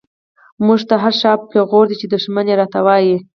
مونږ ته هر “شابه” پیغور دۍ، چی دشمن یی راته وایی